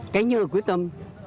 cái nhựa quyết tâm